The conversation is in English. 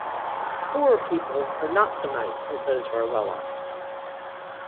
Poorer people are not so nice as those who are well off.